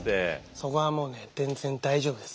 そこはもうね全然大丈夫です。